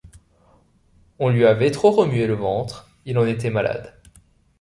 On lui avait trop remué le ventre, il en était malade.